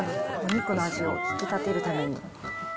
お肉の味を引き立てるために。